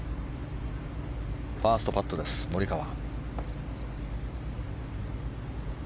ファーストパットですモリカワ。